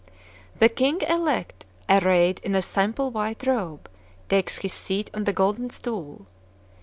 The king elect, arrayed in a simple white robe, takes his seat on the golden stool.